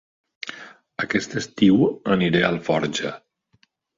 Aquest estiu aniré a Alforja